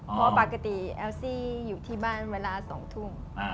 เพราะปกติแอลซี่อยู่ที่บ้านเวลา๒ทุ่ม